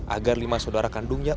agar lima saudara kandungnya